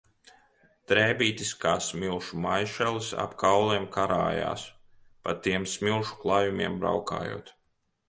Drēbītes kā smilšu maišelis ap kauliem karājas, pa tiem smilšu klajumiem braukājot.